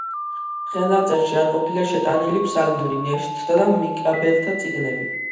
ხელნაწერში არ ყოფილა შეტანილი ფსალმუნი, ნეშტთა და მაკაბელთა წიგნები.